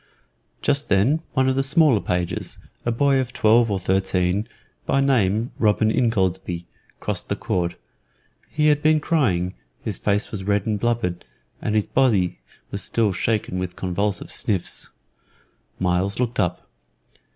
Just then one of the smaller pages, a boy of twelve or thirteen, by name Robin Ingoldsby, crossed the court. He had been crying; his face was red and blubbered, and his body was still shaken with convulsive sniffs. Myles looked up.